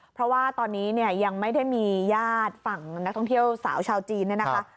เพราะว่าตอนนี้เนี่ยยังไม่ได้มีญาติฝั่งนักท่องเที่ยวสาวชาวจีนเนี่ยนะคะ